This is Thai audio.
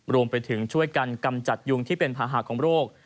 รวมไปถึงช่วยกันกำจัดยุงที่เป็นภาหะของโรค